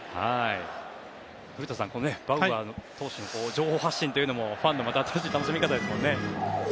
古田さん、バウアー投手の情報発信というのもファンの新しい楽しみ方ですもんね。